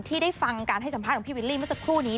ที่ได้ฟังการให้สัมภาษณ์ของพี่วิลลี่เมื่อสักครู่นี้